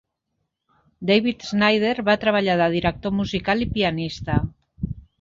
David Snyder va treballar de director musical i pianista.